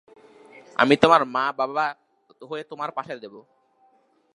আমি তোমার মা বাবা হয়ে তোমার পাশে থাকব।